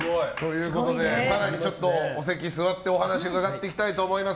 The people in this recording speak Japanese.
更にお席に座ってお話を伺っていきたいと思います。